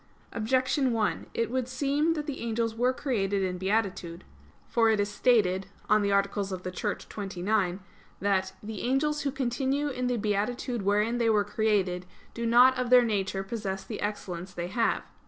Objection 1: It would seem that the angels were created in beatitude. For it is stated (De Eccl. Dogm. xxix) that "the angels who continue in the beatitude wherein they were created, do not of their nature possess the excellence they have."